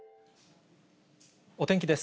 お天気です。